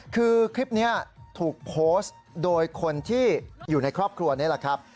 คือคลิปนี้ถูกโพสต์โดยคนที่อยู่ในครอบครัวนี่แหละครับ